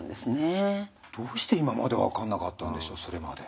どうして今まで分かんなかったんでしょうそれまで。